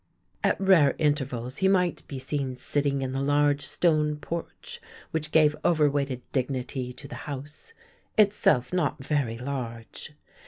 At rare intervals he might be seen sitting in the large stone porch which gave overweighted dignity to the house, itself not very large.